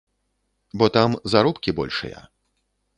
Бо там заробкі большыя.